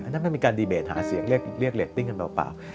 นั่นมันมีการดีเบตหาเสียงเรียกเรตติ้งกันเปล่า